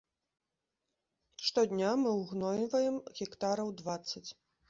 Штодня мы ўгнойваем гектараў дваццаць.